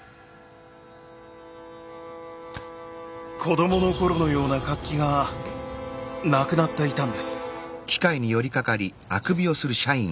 子どもの頃のような活気がなくなっていたんです。